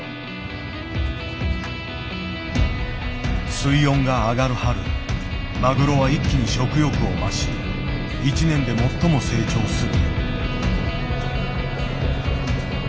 水温が上がる春マグロは一気に食欲を増し一年で最も成長する。